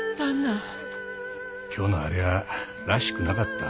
今日のあれはらしくなかった。